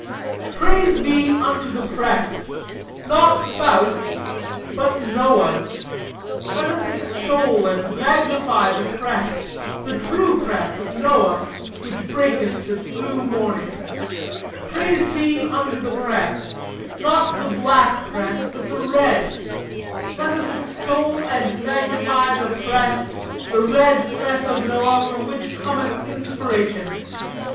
"'Praise be unto the press, not Faust's, but Noah's; let us extol and magnify the press, the true press of Noah, from which breaketh the true morning. Praise be unto the press, not the black press but the red; let us extol and magnify the press, the red press of Noah, from which cometh inspiration.